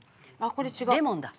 レモンだ。